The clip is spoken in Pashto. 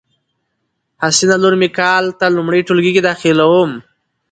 حسینه لور می کال ته لمړی ټولګي کی داخلیدوم